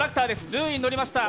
ルーイに乗りました。